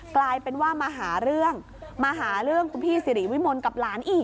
กลายเป็นว่ามาหาเรื่องมาหาเรื่องคุณพี่สิริวิมลกับหลานอีก